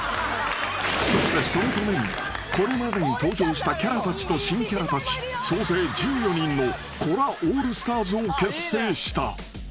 ［そしてそのためにこれまでに登場したキャラたちと新キャラたち総勢１４人のコラオールスターズを結成した］